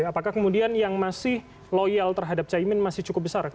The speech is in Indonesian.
apakah kemudian yang masih loyal terhadap caimin masih cukup besar